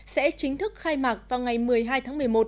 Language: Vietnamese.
sẽ chính thức khai mạc vào ngày một mươi hai tháng một mươi một